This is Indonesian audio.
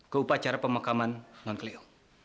ke upacara pemakaman non klio